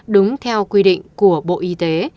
đúng theo quy định của bộ y tế